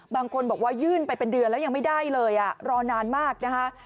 บางคนบอกว่ายื่นไปเป็นเดือนแล้วยังไม่ได้เลยรอนานมากนะคะ